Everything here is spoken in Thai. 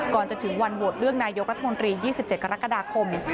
ก่อนจะถึงวันโหวตเลือกนายกรัฐมนตรี๒๗กรกฎาคม